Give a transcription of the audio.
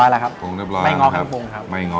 อีกฝ่ายไว้ร่วนอื่น